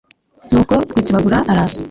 Nuko Rwitsibagura araza,